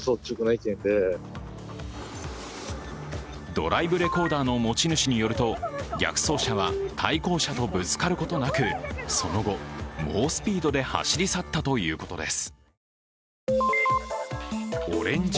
ドライブレコーダーの持ち主によると逆走車は対向車とぶつかることなくその後、猛スピードで走り去ったということです。